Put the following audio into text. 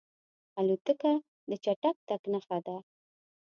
الوتکه د چټک تګ نښه ده.